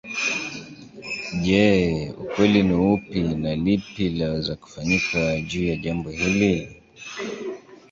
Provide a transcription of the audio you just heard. Je ukweli ni upi na lipi laweza kufanyika juu ya jambo hili